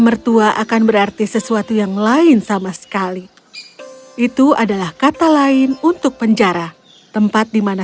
mertua akan berarti sesuatu yang lain sama sekali itu adalah kata lain untuk penjara tempat dimana